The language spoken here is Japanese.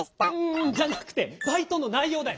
んじゃなくてバイトのないようだよ。